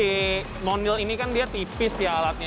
si monil ini kan dia tipis ya alatnya